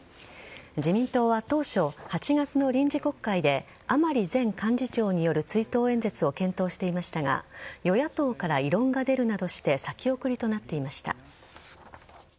自民党は当初、８月の臨時国会で甘利前幹事長による追悼演説を検討していましたが与野党から異論が出るなどして先送りとなっていました。